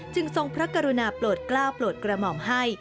ทรงพระกรุณาโปรดกล้าวโปรดกระหม่อมให้